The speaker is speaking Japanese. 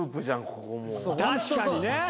確かにね。